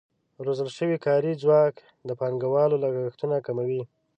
روزل شوی کاري ځواک د پانګوالو لګښتونه کموي.